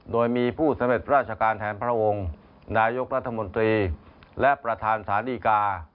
โดยมีผู้สำเร็จราชการแทนพระองค์นายกรัฐมนตรีและประธานสาธิกา